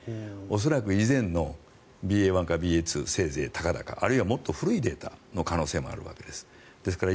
恐らく以前のＢＡ．１かＢＡ．２せいぜいたかだかあるいはもっと古いデータの可能性もあるわけですから。